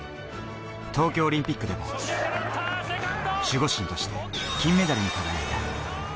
東京オリンピックでも守護神として金メダルに輝いた。